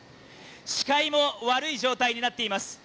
視界も悪い状態になっています。